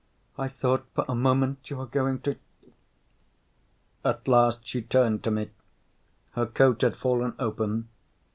I thought for a moment you were going to...." At last she turned to me. Her coat had fallen open.